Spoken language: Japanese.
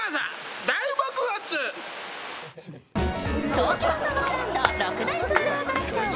東京サマーランド６大プールアトラクション。